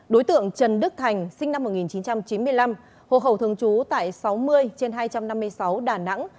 đối tượng trần đức thành sinh năm một nghìn chín trăm chín mươi năm hộ khẩu thường trú tại sáu mươi trên hai trăm năm mươi sáu đà nẵng